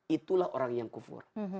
itulah orang yang kufur